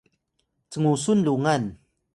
cngusun lungan